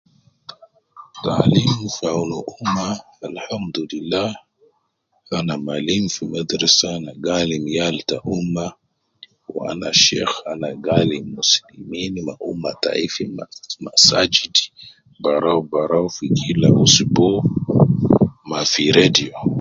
Taalim fi awun umma alhamdulilla, ana malim fi madrasa ana gi alim yal ta umma, wu ana sheikh ana gi alim muslimin ma umma tai fi ma masajid barau barau fi kila ousbu ma fi radio